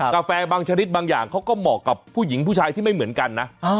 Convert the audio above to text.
กาแฟบางชนิดบางอย่างเขาก็เหมาะกับผู้หญิงผู้ชายที่ไม่เหมือนกันนะ